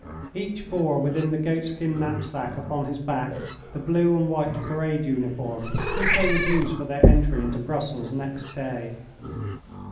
Each bore within the goatskin knapsack upon his back the blue and white parade uniform which they would use for their entry into Brussels next day.